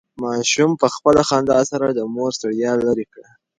ماشوم په خپله خندا سره د مور ستړیا لرې کړه.